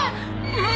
うん！